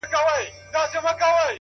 دا غرونه ، غرونه دي ولاړ وي داسي،